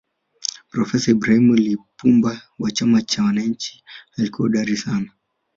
profesa ibrahim lipumba wa chama cha wananchi alikuwa hodari sana